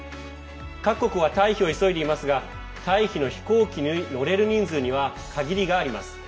各国は退避を急いでいますが飛行機に乗れる人数には限りがあります。